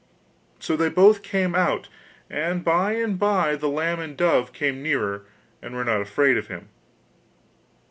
So they both came out, and by and by the lamb and dove came nearer, and were not afraid of him.